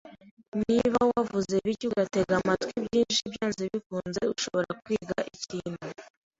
Niba wavuze bike ugatega amatwi byinshi, byanze bikunze uzashobora kwiga ikintu.